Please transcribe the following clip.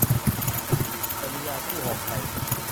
แต่มียาคู่หอกชัย